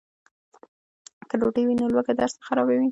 که ډوډۍ وي نو لوږه درس نه خرابوي.